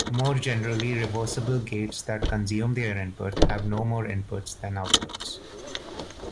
More generally, reversible gates that consume their input have no more inputs than outputs.